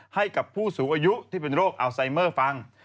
ให้กับผู้สูงอายุที่เป็นโรคอัลไซเมอร์ฟัง